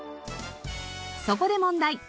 そこで問題。